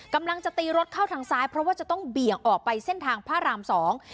กำลังจะตีรถเข้าทางซ้ายเพราะว่าจะต้องเบี่ยงออกไปเส้นทางพระรามสอง